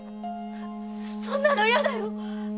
そんなの嫌だよ！